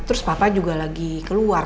terus papa juga lagi keluar